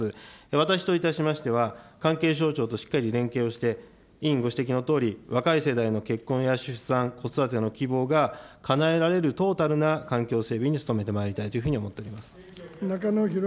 私といたしましては、関係省庁としっかり連携をして、委員ご指摘のとおり、若い世代の結婚や出産、子育ての希望がかなえられるトータルな環境整備に努めてまいりたいというふうに考えております。